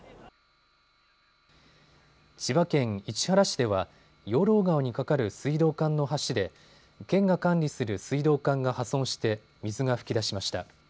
千葉県市原市では養老川に架かる水道管の橋で県が管理する水道管が破損して水が噴き出しました。